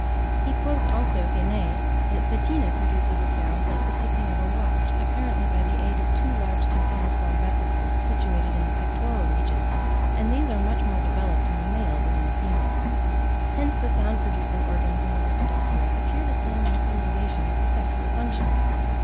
He quotes, also, Guenee, that Setina produces a sound like the ticking of a watch, apparently by the aid of "two large tympaniform vesicles, situated in the pectoral region"; and these "are much more developed in the male than in the female." Hence the sound producing organs in the Lepidoptera appear to stand in some relation with the sexual functions.